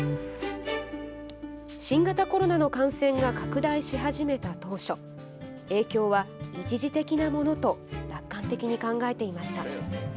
新型コロナの感染が拡大し始めた当初、影響は一時的なものと楽観的に考えていました。